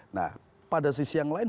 nah pada sisi yang lain